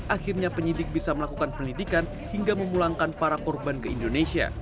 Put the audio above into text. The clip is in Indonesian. akhirnya penyidik bisa melakukan pendidikan hingga memulangkan para korban ke indonesia